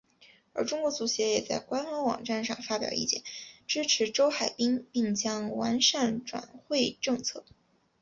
而中国足协也在官方网站上发表意见支持周海滨并将完善转会政策。